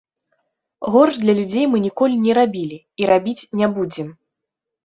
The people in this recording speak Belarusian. Горш для людзей мы ніколі не рабілі і рабіць не будзем.